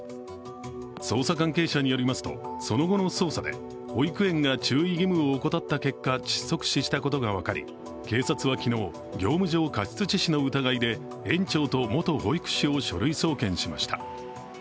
捜査関係者によりますと、その後の捜査で、保育園が注意義務を怠った結果窒息死したことが分かり、警察は昨日、業務上過失致死の疑いで園長と元保育士を書類送検しました。